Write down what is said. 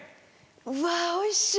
うわおいしい！